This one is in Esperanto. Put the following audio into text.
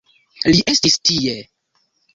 Li estis tie!